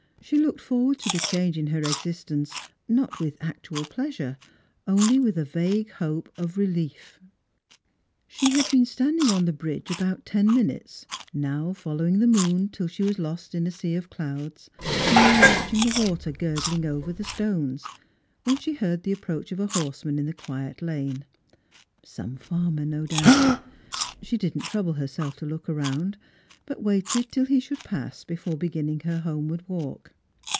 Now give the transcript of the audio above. She looked forward to the change in her existenca not with actual pleasure, only with a vague hope of relief. She had been standing on the bridge about ten minutes, now tollowing the moon till she v/ae lost in a sea of ' '^jds, now 252 Strangers and Pilgrims. ^patching the water gurgling over the stones, when she heai"d .t'n approach of p. horseman in the quiet lane; some farmer, no doubt. She did not trouble herself to look round ; but waited tiiriie should pass before beginning her homeward walk.